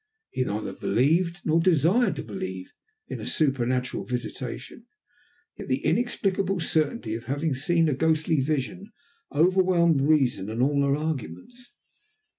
He neither believed, nor desired to believe, in a supernatural visitation, yet the inexplicable certainty of having seen a ghostly vision overwhelmed reason and all her arguments.